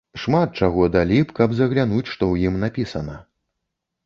Шмат чаго далі б, каб заглянуць, што ў ім напісана.